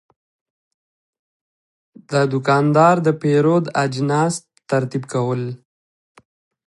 دا دوکاندار د پیرود اجناس ترتیب کړل.